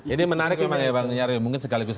ini menarik memang ya bang nyarwi mungkin sekaligus